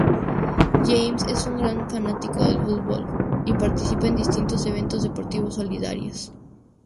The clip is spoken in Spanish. James es un gran fanático del fútbol y participa en distintos eventos deportivos solidarios.